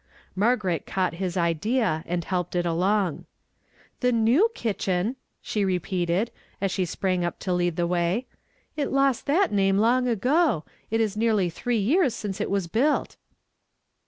Mar garet caught his idea, and helped it along. "The 7U'iv kitchen!" she repeated, as she sprang up to lead the way. "It lost that name long ago ; it is nearly three yeai s since it was built!"